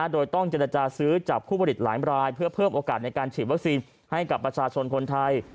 โดยต้องเจรจาซื้อจับผู้ผลิตหลายรายเพื่อเพิ่มโอกาสในการฉีดวัคซีนให้กับประชาชนคนไทย